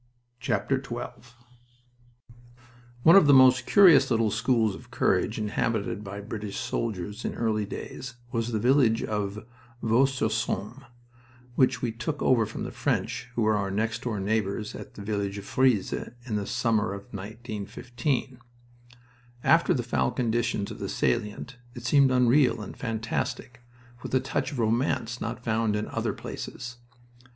XII One of the most curious little schools of courage inhabited by British soldiers in early days was the village of Vaux sur Somme, which we took over from the French, who were our next door neighbors at the village of Frise in the summer of '15. After the foul conditions of the salient it seemed unreal and fantastic, with a touch of romance not found in other places.